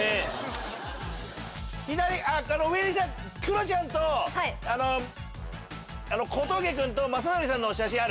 上にクロちゃんと小峠君と雅紀さんの写真ある？